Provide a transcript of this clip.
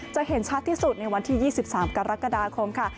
เห็นชัดที่สุดในวันที่๒๓กรกฎาคมค่ะ